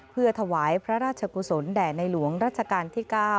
เพื่อถวายพระราชกุศลแด่ในหลวงรัชกาลที่๙